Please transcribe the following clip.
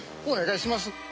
お願いします！